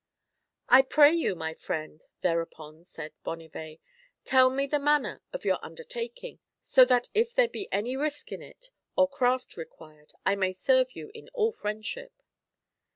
" I pray you, my friend," thereupon said Bon nivet, " tell me the manner of your undertaking, so that if there be any risk in it, or craft required, I may serve you in all friendship."